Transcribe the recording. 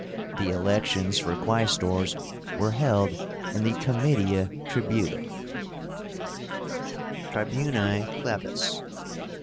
The elections for Quaestors were held in the Comitia Tribúta. TRIBUNI PLEBIS.